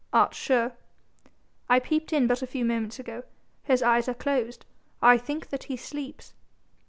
"Art sure?" "I peeped in but a few moments ago. His eyes are closed. I think that he sleeps."